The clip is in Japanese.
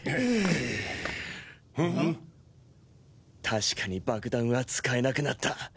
確かに爆弾は使えなくなった。